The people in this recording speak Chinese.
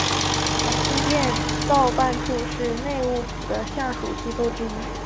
养心殿造办处是内务府的下属机构之一。